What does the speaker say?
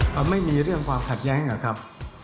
เปล่าไม่มีเรื่องความแตกแยกหล่ะครับ